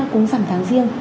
cúng sẵn tháng riêng